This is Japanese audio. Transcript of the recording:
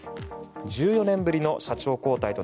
１４年ぶり社長交代。